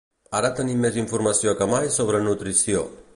Ara tenim més informació que mai sobre nutrició.